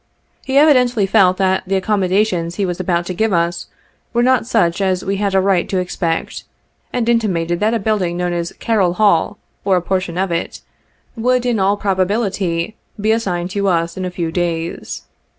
He evidently felt that the accommodations he was about to give us were not such as we had a right to expect, and intimated that a building known as Carroll Hall, or a portion of it, would, in all probability, be assign ed to us in a few days.